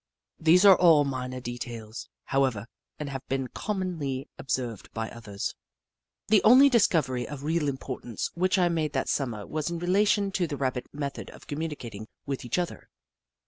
These are all minor details, however, and have been commonly observed by others. The only discovery of real importance which Jenny Ragtail 189 I made that Summer was in relation to the Rabbit method of communicating with each other.